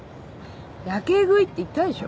やけ食いって言ったでしょ。